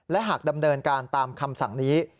และหากดำเนินการตามคำสั่งนี้